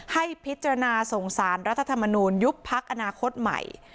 ให้พิจารณาส่งสารรัฐธรรมนูลยุบพักอนาคตใหม่